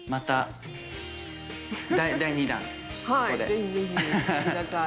ぜひぜひ来てください。